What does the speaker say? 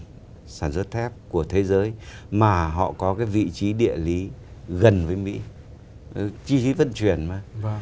cái thứ ba là các doanh nghiệp ngành thép của thế giới mà họ có cái vị trí địa lý gần với mỹ chi phí phân truyền mà